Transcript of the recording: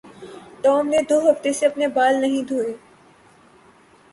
Tom نے دو ہفتوں سے اپنے بال نہیں دھوئے